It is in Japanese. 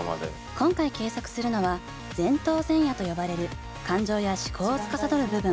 今回計測するのは前頭前野と呼ばれる感情や思考をつかさどる部分。